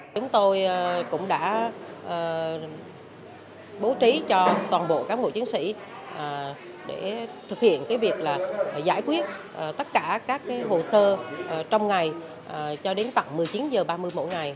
chúng tôi cũng đã bố trí cho toàn bộ cán bộ chiến sĩ để thực hiện việc giải quyết tất cả các hồ sơ trong ngày cho đến tận một mươi chín h ba mươi mỗi ngày